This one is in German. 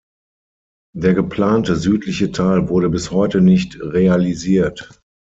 Der geplante südliche Teil wurde bis heute nicht realisiert.